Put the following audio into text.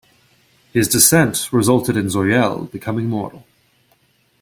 His descent resulted in Zauriel becoming mortal.